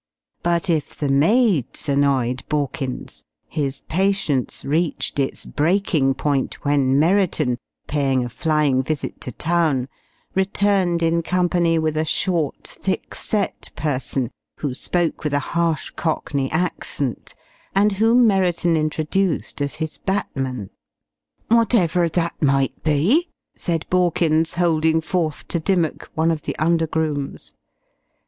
But if the maids annoyed Borkins, his patience reached its breaking point when Merriton paying a flying visit to town returned in company with a short, thickset person, who spoke with a harsh, cockney accent, and whom Merriton introduced as his "batman", "Whatever that might be," said Borkins, holding forth to Dimmock, one of the under grooms.